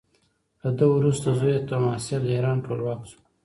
له ده وروسته زوی یې تهماسب د ایران ټولواک شو.